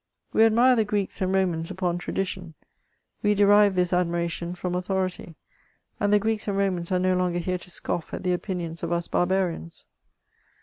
We adimre the Greeks and Ro mans upon tradition; we derive this admiration from authority, and the Greeks and Romans are no longer here to scoff at the opinions of us barbarians.